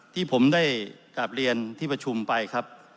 ที่ผมได้กลับเรียนที่ประชุมไปครับ